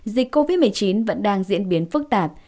dịch covid một mươi chín vẫn đang diễn biến phức tạp